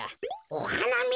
おはなみ？